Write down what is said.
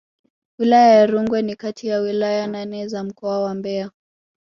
Wilaya ya Rungwe ni kati ya wilaya nane za mkoa wa Mbeya